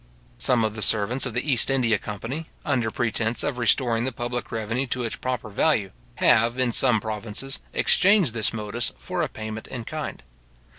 Some of the servants of the East India company, under pretence of restoring the public revenue to its proper value, have, in some provinces, exchanged this modus for a payment in kind.